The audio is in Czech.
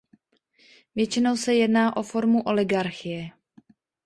Většinou se jedná o formu oligarchie.